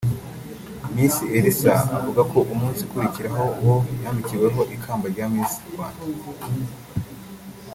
Miss Elsa avuga ko umunsi ukurikira uwo yambikiweho ikamba rya Miss Rwanda